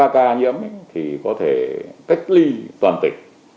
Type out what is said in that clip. ca nhiễm thì có thể cách ly toàn tỉnh